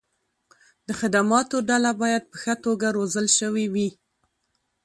د خدماتو ډله باید په ښه توګه روزل شوې وي.